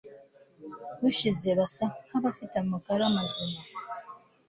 bushize basa nkabafite amagara mazima